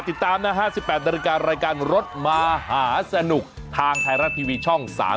ติดตามนะฮะ๑๘นาฬิการายการรถมหาสนุกทางไทยรัฐทีวีช่อง๓๒